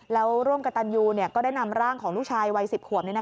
แล้วร่วมกับตันยูก็ได้นำร่างของลูกชายวัย๑๐ขวบ